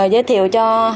giới thiệu cho